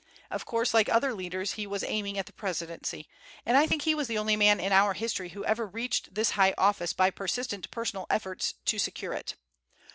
Of course, like other leaders, he was aiming at the presidency, and I think he was the only man in our history who ever reached this high office by persistent personal efforts to secure it.